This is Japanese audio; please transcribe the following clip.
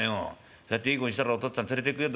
「そうやっていい子にしてりゃお父っつぁん連れてくよ